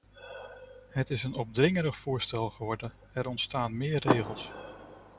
Het is een opdringerig voorstel geworden - er ontstaan meer regels.